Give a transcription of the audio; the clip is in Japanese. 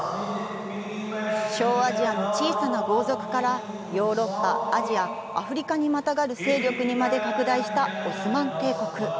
小アジアの小さな豪族からヨーロッパ、アジア、アフリカにまたがる勢力にまで拡大したオスマン帝国。